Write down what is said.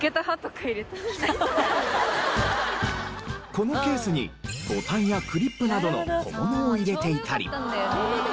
このケースにボタンやクリップなどの小物を入れていたり。